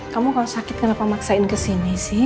kamu kalau sakit kenapa maksain kesini sih